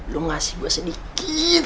lu ngasih gua sedikit